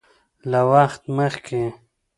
له وخت مخکې